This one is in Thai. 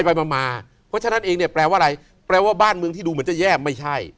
เพราะฉะนั้นเองเนี่ยแปลว่าอะไรแปลว่าบ้านเมืองที่ดูเหมือนจะแย่ไม่ใช่